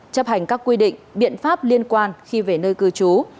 chấp hành các quy định biện pháp liên quan khi về nơi cư trú